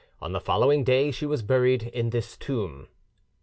On the day following she was buried in this tomb."